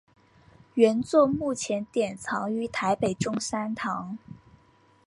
原作目前典藏于台北中山堂。